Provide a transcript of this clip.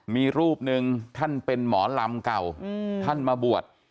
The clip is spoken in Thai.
มีรูปหนึ่งท่านเป็นหมอลำเก่าท่านมาบวช